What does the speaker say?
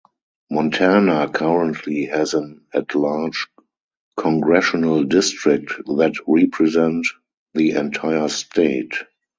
Montana currently has an at-large congressional district that represent the entire state.